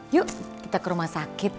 yuk kita ke rumah sakit